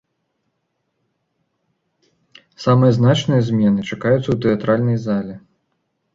Самыя значныя змены чакаюцца ў тэатральнай зале.